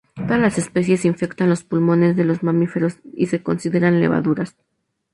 Todas las especies infectan los pulmones de los mamíferos y se consideran levaduras.